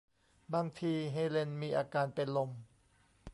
บางที เฮเลนมีอาการเป็นลม